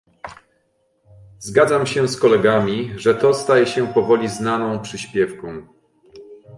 Zgadzam się z kolegami, że to staje się powoli znaną przyśpiewką